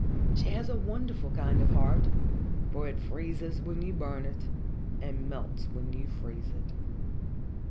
She has a wonderful kind of heart, for it freezes when you burn it, and melts when you freeze it."